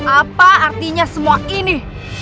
apa artinya semua ini